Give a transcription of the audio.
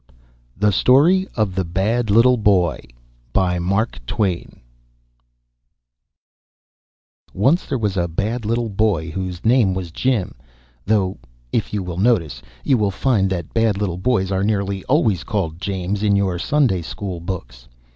THE STORY OF THE BAD LITTLE BOY [Written about 1865] Once there was a bad little boy whose name was Jim though, if you will notice, you will find that bad little boys are nearly always called James in your Sunday school books.